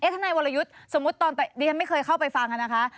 ทนายวรยุทธ์สมมุติตอนดิฉันไม่เคยเข้าไปฟังนะคะ